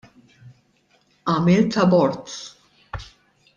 Għamilt abort.